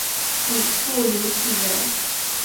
祖父刘体仁。